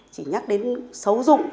chỉ nhắc đến xấu dụng